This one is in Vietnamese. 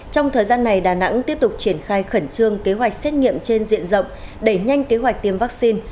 trong thời gian này đà nẵng tiếp tục triển khai khẩn trương kế hoạch xét nghiệm trên diện rộng đẩy nhanh kế hoạch tiêm vaccine